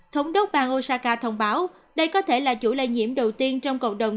thống đốc bang osaka thông báo đây có thể là chủ lây nhiễm đầu tiên trong cộng đồng